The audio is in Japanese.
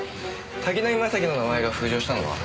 滝浪正輝の名前が浮上したのは？